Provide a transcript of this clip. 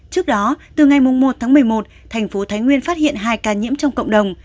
trước đó từ ngày một tháng một mươi một thành phố thái nguyên phát hiện hai ca nhiễm trong cộng đồng